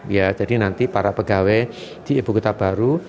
ya jadi nanti para pegawai di ibu kota baru